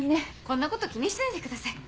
こんなこと気にしないでください。